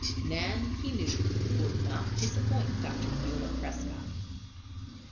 Nan, he knew, would not disappoint Dr. Beulah Prescott.